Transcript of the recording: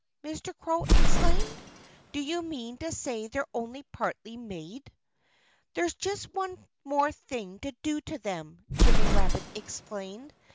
Mr. Crow exclaimed. "Do you mean to say they're only partly made?" "There's just one more thing to do to them," Jimmy Rabbit explained.